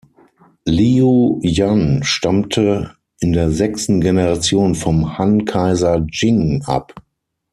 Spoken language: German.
Liu Yan stammte in der sechsten Generation vom Han-Kaiser Jing ab.